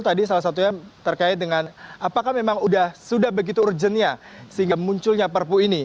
tadi salah satunya terkait dengan apakah memang sudah begitu urgentnya sehingga munculnya perpu ini